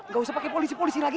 gak usah pakai polisi polisi lagi